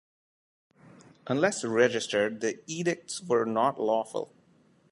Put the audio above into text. Unless registered, the edicts were not lawful.